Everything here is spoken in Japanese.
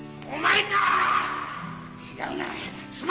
お前か！